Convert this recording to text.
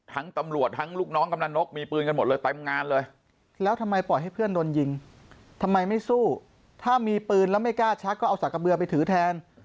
ถ้ามีปืนแล้วไม่กล้าชั้นก็เอาสักกะเบือนไปถือแทน